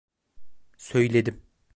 Söyledim.